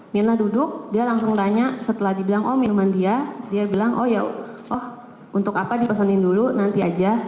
mirna duduk dia langsung tanya setelah dibilang oh minuman dia dia bilang oh ya oh untuk apa dipesanin dulu nanti aja